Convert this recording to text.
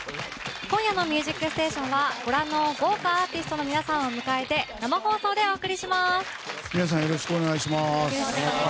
今夜の「ミュージックステーション」はご覧の豪華アーティストの皆さんを迎えて生放送でお送りします。